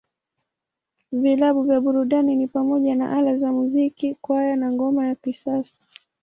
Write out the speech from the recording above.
Vilabu vya burudani ni pamoja na Ala za Muziki, Kwaya, na Ngoma ya Kisasa.